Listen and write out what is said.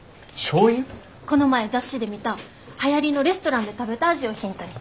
この前雑誌で見たはやりのレストランで食べた味をヒントに。